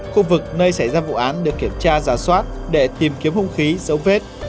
khu vực nơi xảy ra vụ án được kiểm tra giả soát để tìm kiếm hung khí dấu vết